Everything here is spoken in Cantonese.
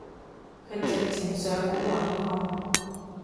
佢直情上門搵我